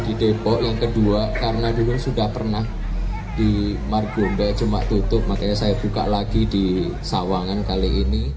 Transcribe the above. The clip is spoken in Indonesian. di depok yang kedua karena dulu sudah pernah di margunda cuma tutup makanya saya buka lagi di